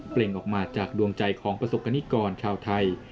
ออกมาจากดวงใจของประสบกรณิกรชาวไทย